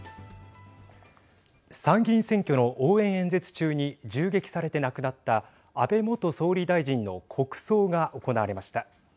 参議院選挙の応援演説中に銃撃されて亡くなった安倍元総理大臣の国葬が行われました。